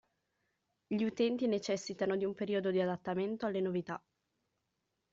Gli utenti necessitano di un periodo di adattamento alle novità.